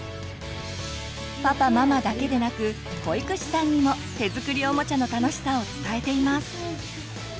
パパママだけでなく保育士さんにも手作りおもちゃの楽しさを伝えています。